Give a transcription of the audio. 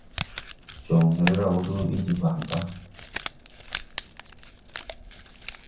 Joŋre raw dɔɔ bi debaŋ da.